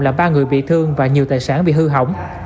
là ba người bị thương và nhiều tài sản bị hư hỏng